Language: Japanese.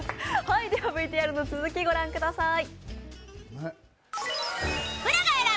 ＶＴＲの続き御覧ください。